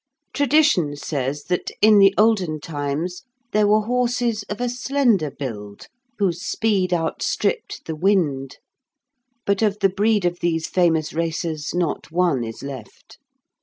Tradition says that in the olden times there were horses of a slender build whose speed outstripped the wind, but of the breed of these famous racers not one is left.